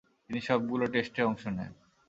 তিনি সবগুলো টেস্টেই অংশ নেন।